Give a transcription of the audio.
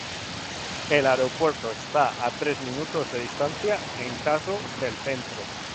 El aeropuerto está a tres minutos de distancia en carro del centro.